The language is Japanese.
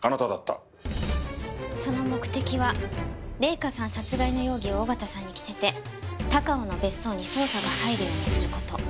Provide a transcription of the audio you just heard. その目的は礼香さん殺害の容疑を小形さんに着せて高尾の別荘に捜査が入るようにする事。